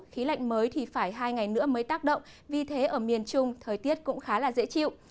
khí lạnh mới thì phải hai ngày nữa mới tác động vì thế ở miền trung thời tiết cũng khá là dễ chịu